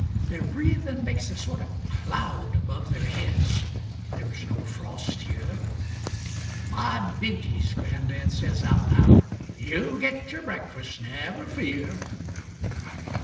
Their breathin' makes a sort of cloud Above their heads there's no frost here. "My beauties," gran'dad says out loud, "You'll get your breakfasts, never fear."